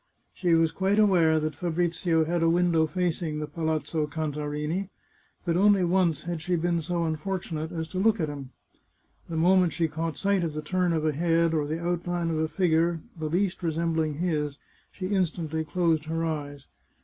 She was quite aware that Fabrizio had a window facing the Palazzo Cantarini, but only once had she been so unfor tunate as to look at him. The moment she caught sight of the turn of a head or the outline of a figure the least re sembling his, she instantly closed her eyes.